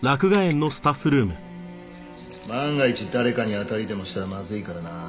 万が一誰かに当たりでもしたらまずいからな。